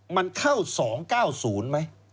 มันเข้า๒๙๐ไหม